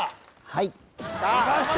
はいきました